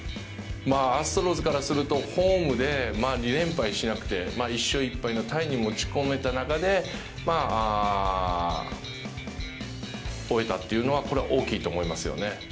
アストロズからするとホームで２連敗しなくて１勝１敗のタイに持ち込めた中で終えたっていうのは大きいと思いますよね。